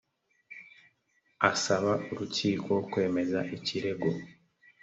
asaba urukiko kwemeza ikirego